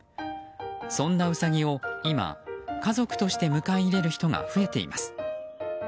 そんなウサギを今、家族として迎え入れる人が増えています。